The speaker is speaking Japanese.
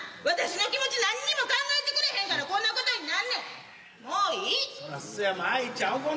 私の気持ちなんにも考えてくれへんからこんなことになんねん。